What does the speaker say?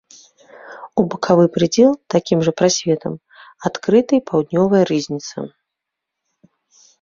У бакавы прыдзел такім жа прасветам адкрыта і паўднёвая рызніца.